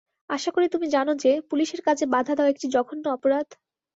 আশা করি তুমি জানো যে, পুলিশের কাজে বাধা দেওয়া একটি জঘন্য অপরাধ।